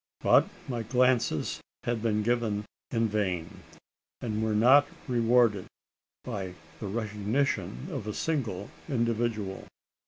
But my glances had been given in vain; and were not rewarded by the recognition of a single individual.